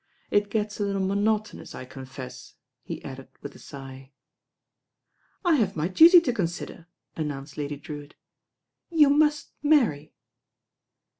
It gets a little monotonous, I confess," he added with a sigh. 186 THE RAIN OIRL !! "I have my duty to consider/* announced Lady Drewitt. "You must marry."